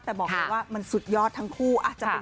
แต่บอกว่ามันสุดยอดทั้งคู่อะจะเป็น